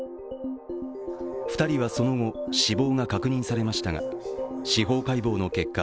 ２人はその後、死亡が確認されましたが司法解剖の結果